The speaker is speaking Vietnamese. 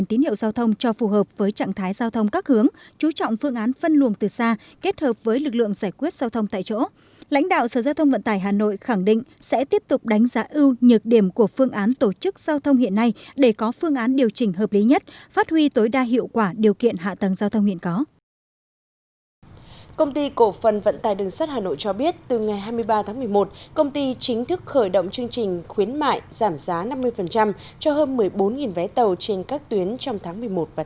công ty cổ phần vận tài đường sắt hà nội cho biết từ ngày hai mươi ba tháng một mươi một công ty chính thức khởi động chương trình khuyến mại giảm giá năm mươi cho hơn một mươi bốn vé tàu trên các tuyến trong tháng một mươi một và tháng một mươi hai